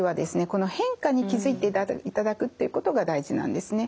この変化に気づいていただくっていうことが大事なんですね。